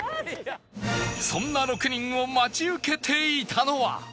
そんな６人を待ち受けていたのは